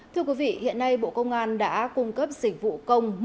thưa quý vị hiện nay bộ công an đã cung cấp dịch vụ công